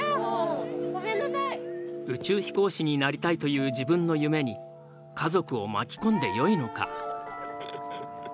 宇宙飛行士になりたいという自分の夢に家族を巻き込んでよいのか。